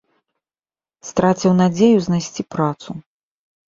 Страціў надзею знайсці працу.